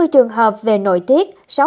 tám mươi trường hợp về nội tiết